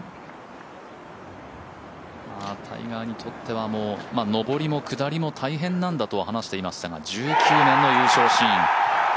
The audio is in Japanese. タイガーにとっては上りも下りも大変なんだと話していましたが１９年の優勝シーン。